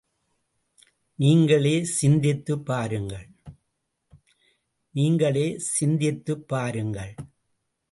நீங்களே சிந்தித்துப் பாருங்கள்.